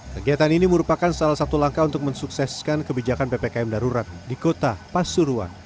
kegiatan ini merupakan salah satu langkah untuk mensukseskan kebijakan ppkm darurat di kota pasuruan